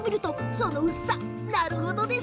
その薄さ、なるほど。